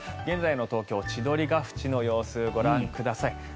現在の東京・千鳥ヶ淵の様子ご覧ください。